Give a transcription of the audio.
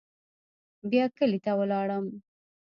بيا کلي ته ولاړم.